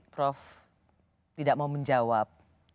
prof tidak mau menjawab